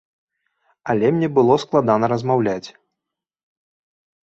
Але мне было складана размаўляць.